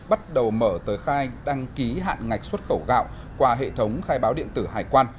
bắt đầu mở tới khai đăng ký hạn ngạch xuất khẩu gạo qua hệ thống khai báo điện tử hải quan